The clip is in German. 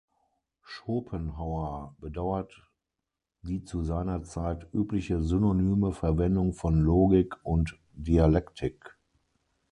Schopenhauer bedauert die zu seiner Zeit übliche synonyme Verwendung von Logik und Dialektik.